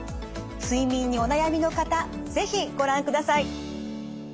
睡眠にお悩みの方是非ご覧ください。